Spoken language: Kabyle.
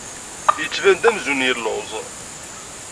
Yettban-d amzun yelluẓ.